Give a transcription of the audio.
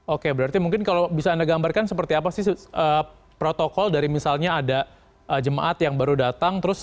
oke berarti mungkin kalau bisa anda gambarkan seperti apa sih protokol dari misalnya ada jemaat yang baru datang